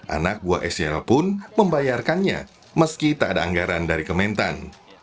anak buah sel pun membayarkannya meski tak ada anggaran dari kementan